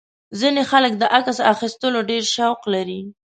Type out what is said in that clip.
ځینې خلک د عکس اخیستلو ډېر شوق لري.